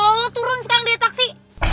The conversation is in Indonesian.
lalu lo turun sekarang dari taksi